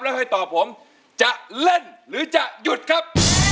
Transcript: แล้วให้ตอบผมจะเล่นหรือจะหยุดครับ